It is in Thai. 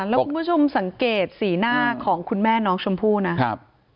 แล้วคุณผู้ชมสังเกตสีหน้าของคุณแม่น้องชมพู่นะครับ